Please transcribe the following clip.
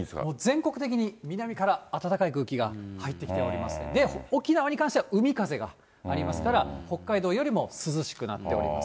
全国的に南から暖かい空気が入ってきておりますので、沖縄に関しては海風がありますから、北海道よりも涼しくなっております。